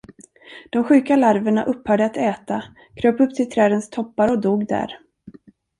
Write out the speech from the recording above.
De sjuka larverna upphörde att äta, kröp upp till trädens toppar och dog där.